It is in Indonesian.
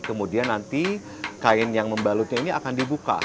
kemudian nanti kain yang membalutnya ini akan dibuka